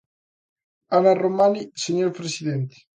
Ana Romaní, señor presidente.